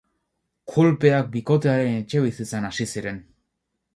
Kolpeak bikotearen etxebizitzan hasi ziren.